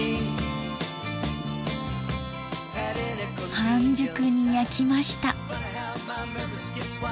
半熟に焼きました。